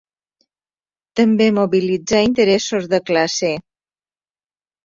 També mobilitzà interessos de classe.